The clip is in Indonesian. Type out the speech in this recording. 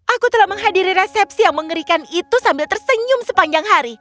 aku telah menghadiri resepsi yang mengerikan itu sambil tersenyum sepanjang hari